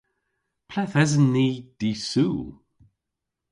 Ple'th esen ni dy'Sul?